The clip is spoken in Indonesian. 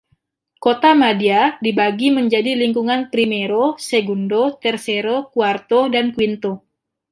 Kotamadya dibagi menjadi lingkungan Primero, Segundo, Tercero, Cuarto, dan Quinto.